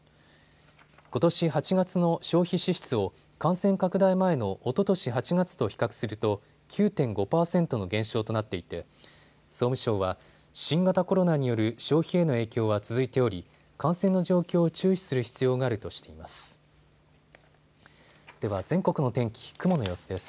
ことし８月の消費支出を感染拡大前のおととし８月と比較すると９．５％の減少となっていて総務省は新型コロナによる消費への影響は続いており感染の状況を注視する必要があるとしています。